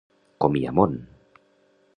Com hi ha món!